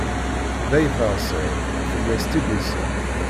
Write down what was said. Day teṛṣiḍ, fell-as tigusa.